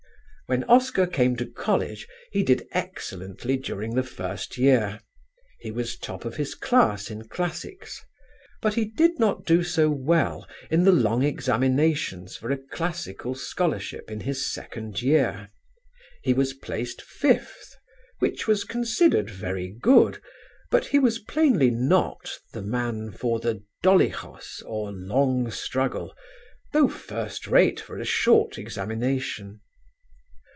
"When Oscar came to college he did excellently during the first year; he was top of his class in classics; but he did not do so well in the long examinations for a classical scholarship in his second year. He was placed fifth, which was considered very good, but he was plainly not, the man for the [Greek: dolichos] (or long struggle), though first rate for a short examination."